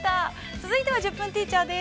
続いては、「１０分ティーチャー」です。